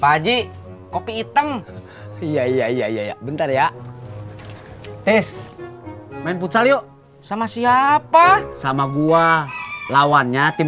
pagi kopi hitam iya iya iya bentar ya tes main futsal yuk sama siapa sama gua lawannya tim